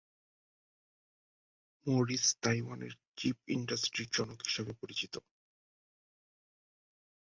Morris তাইওয়ানের chip ইন্ডাস্ট্রির জনক হিসেবে পরিচিত।